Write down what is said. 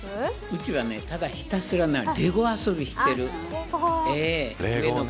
うちは、ただひたすらレゴ遊びしている。